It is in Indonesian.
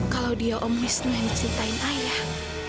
kalau dia om wisnu yang mencintain ayah